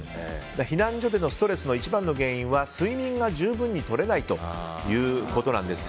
避難所でのストレスの一番の原因は睡眠が十分にとれないということなんです。